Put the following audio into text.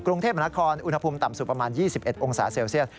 กรุงเทพมนาคอนอุณหภูมิต่ำสุดประมาณ๒๑องศาเซลเซียส